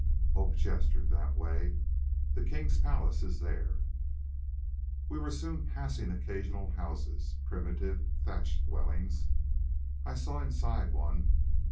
Hope gestured that way. "The king's palace is there." We were soon passing occasional houses, primitive thatched dwellings. I saw inside one.